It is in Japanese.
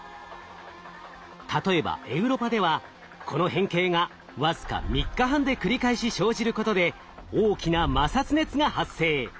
例えばエウロパではこの変形が僅か３日半で繰り返し生じることで大きな摩擦熱が発生。